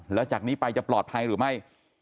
แล้วจากนี้ไปจะปลอดภัยหรือไม่